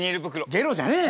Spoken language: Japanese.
ゲロじゃねえ！